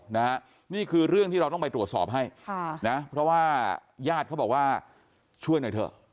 นี่คือเรื่องที่เราต้องไปตรวจสอบให้ค่ะนะเพราะว่าญาติเขาบอกว่าช่วยหน่อยเถอะ